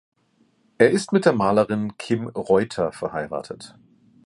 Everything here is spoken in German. Er ist mit der Malerin Kim Reuter verheiratet.